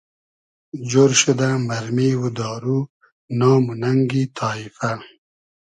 جۉر شودۂ مئرمی و دارو نام و نئنگی تایفۂ